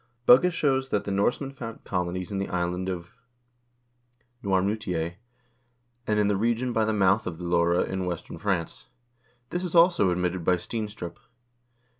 Bugge shows that the Norsemen founded colonies in the island of Noirmoutier, and in the region by the mouth of the Loire in western France. This is also admitted by Steenstrup.